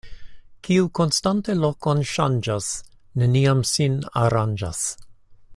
Kiu konstante lokon ŝanĝas, neniam sin aranĝas.